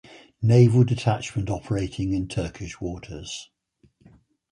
Naval Detachment Operating in Turkish waters.